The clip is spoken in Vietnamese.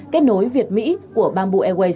kết nối việt mỹ của bamboo airways